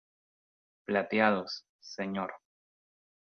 plateados, señor.